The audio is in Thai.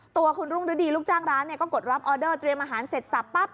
ตัวคุณรุ่งฤดีลูกจ้างร้านก็กดรับออเดอร์เตรียมอาหารเสร็จสับปั๊บ